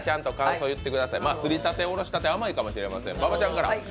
すりたて、おろしたて、甘いかもしれませんから。